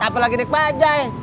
apalagi naik bajaj